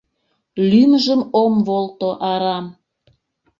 Лӱмжым ом волто арам.